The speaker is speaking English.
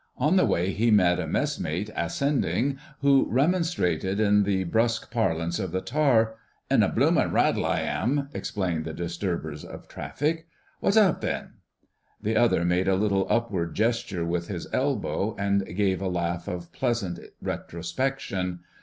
On the way he met a messmate ascending, who remonstrated in the brusque parlance of the tar. "In the bloomin' rattle, I am," explained the disturber of traffic. "Wha's up, then?" The other made a little upward gesture with his elbow and gave a laugh of pleasant retrospection.